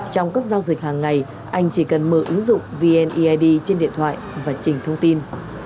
trong các giao dịch hàng ngày anh chỉ cần mở ứng dụng vneid trên điện thoại và chỉnh thông tin